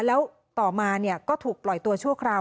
แล้วต่อมาก็ถูกปล่อยตัวชั่วคราว